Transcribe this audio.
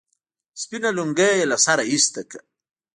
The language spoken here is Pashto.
سپينه لونگۍ يې له سره ايسته کړه.